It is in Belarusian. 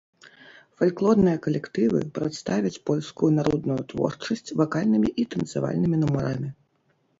Фальклорныя калектывы прадставяць польскую народную творчасць вакальнымі і танцавальнымі нумарамі.